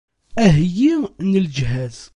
Aheyyi n lejhaz.